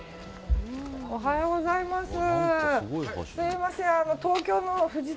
おはようございます。